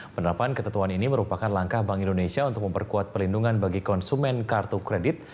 penerapan ketentuan ini merupakan langkah bank indonesia untuk memperkuat perlindungan bagi konsumen kartu kredit